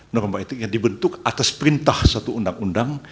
norma etik yang dibentuk atas perintah satu undang undang